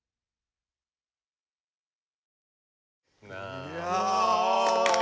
いや！